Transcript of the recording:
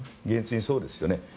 現実にそうですよね。